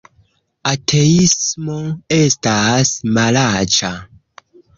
Ateismo estas malaĉa